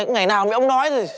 ngày nào cũng bị ông nói rồi